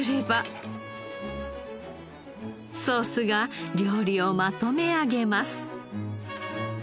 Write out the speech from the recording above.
ソースが料理をまとめ上げます。